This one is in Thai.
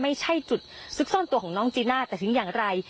ไม่ใช่จุดซุกซ่อนตัวของน้องจีน่าแต่ถึงอย่างไร